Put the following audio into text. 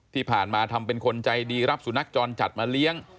ที่ผ่านมาทำเป็นคนใจดีรับสุนัขจรจัดมาเลี้ยง